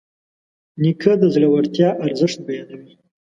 نیکه د زړورتیا ارزښت بیانوي.